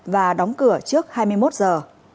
và đóng cửa trước hai mươi một giờ